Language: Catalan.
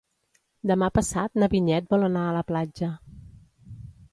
Demà passat na Vinyet vol anar a la platja.